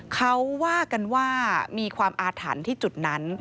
เขาว่ากันว่ามีความอาถรรพ์ที่จุดนั้น